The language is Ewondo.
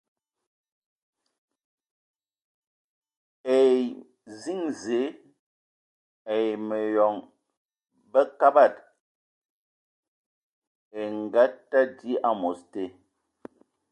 Eyǝ hm ziŋ zəǝ ai myɔŋ Bəkabad e ngatadi am̌os te.